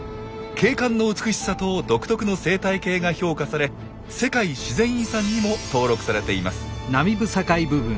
景観の美しさと独特の生態系が評価され世界自然遺産にも登録されています。